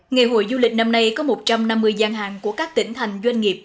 ngày hội du lịch năm nay có một trăm năm mươi gian hàng của các tỉnh thành doanh nghiệp